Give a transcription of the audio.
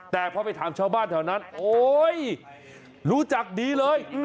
แต่พอไปถามชาวบ้านแถวนั้นโอ๊ยรู้จักดีเลย